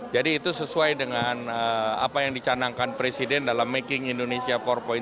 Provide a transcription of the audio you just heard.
jadi itu sesuai dengan apa yang dicanangkan presiden dalam making indonesia empat